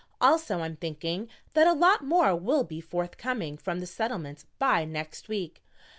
"Also I'm thinking that a lot more will be forthcoming from the Settlement by next week.